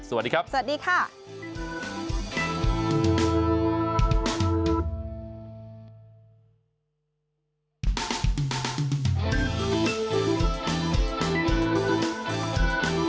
สวัสดีครับสวัสดีค่ะ